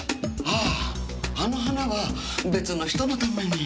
あああの花は別の人のために。